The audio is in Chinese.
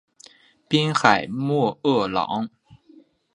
滨海莫厄朗。